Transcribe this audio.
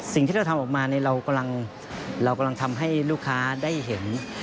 สิ่งที่เราทำออกมาเรากำลังทำให้ลูกค้าได้เห็น